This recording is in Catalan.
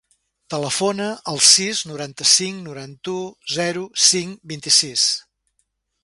Telefona al sis, noranta-cinc, noranta-u, zero, cinc, vint-i-sis.